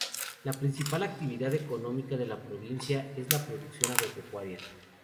La principal actividad económica de la provincia es la producción agropecuaria.